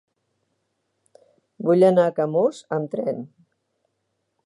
Vull anar a Camós amb tren.